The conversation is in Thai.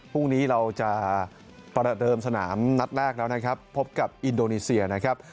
พรุ่งนี้เราจะประเดิมสนามนัดแรกแล้วนะครับพบกับอินโดนีเซียนะครับ